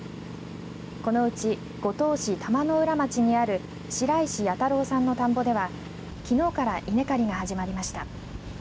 このうち五島市玉之浦町にある白石弥太郎さんの田んぼではきのうから稲刈りが始まりました。